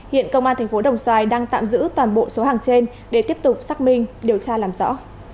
hiện công an thành phố đồng xoài đang tạm giữ toàn bộ số hàng trên để tiếp tục xác minh điều tra làm rõ